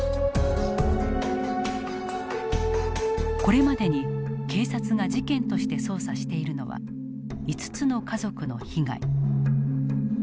これまでに警察が事件として捜査しているのは５つの家族の被害。